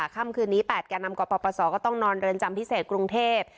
ค่ำคืนนี้๘แก่นำกปศก็ต้องนอนเรือนจำพิเศษกรุงเทพ